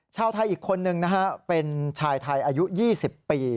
ชาวไทยอีกคนนึงนะฮะเป็นชายไทยอายุ๒๐ปี